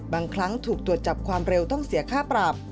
บางครั้งถูกตรวจจับความเร็วต้องเสียค่าปรับ